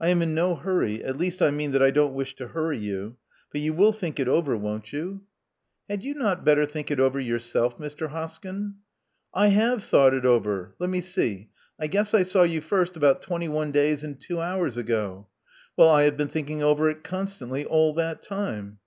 I am in no hurry — at least I mean that I don't wish to hurry you. But you will think it over won't you?" 290 Love Among the Artists "Had you not better think over it yourself, Mr. Hoskyn? I have thought of it — ^let me see! I guess I saw you first about twenty one days and two hours ago. Well, I have been thinking over it constantly all that time.